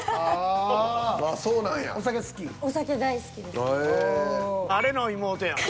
あれの妹やもん。